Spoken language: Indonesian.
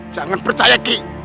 jangan percaya ki